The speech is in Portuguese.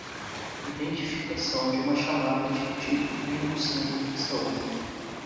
Identificação de uma chamada de tipo em um centro de saúde.